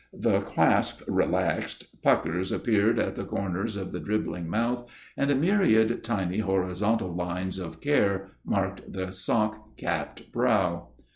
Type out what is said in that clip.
The clasp relaxed, puckers appeared at the corners of the dribbling mouth, and a myriad tiny horizontal lines of care marked the sock capped brow.